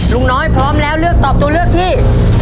ลุงน้อยพร้อมแล้วเลือกตอบตัวเลือกที่